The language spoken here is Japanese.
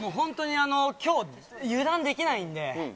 今日油断できないので。